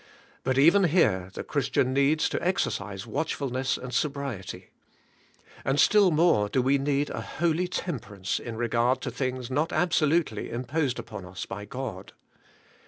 But even here the Christian needs to exercise watch fulness and sobriety. And still more do we need a holy temperance in regard to things not absolutely imposed upon us by God.